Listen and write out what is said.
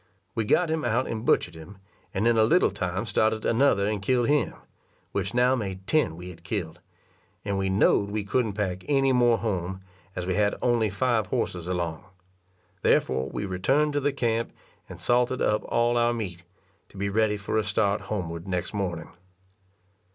We got him out and butchered him, and in a little time started another and killed him, which now made ten we had killed; and we know'd we couldn't pack any more home, as we had only five horses along; therefore we returned to the camp and salted up all our meat, to be ready for a start homeward next morning.